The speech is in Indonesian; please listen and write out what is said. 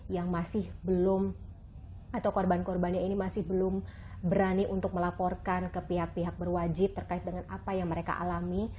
yang masih belum atau korban korbannya ini masih belum berani untuk melaporkan ke pihak pihak berwajib terkait dengan apa yang mereka alami